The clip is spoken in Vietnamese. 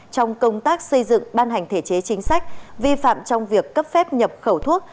trong công tác xây dựng ban hành thể chế chính sách vi phạm trong việc cấp phép nhập khẩu thuốc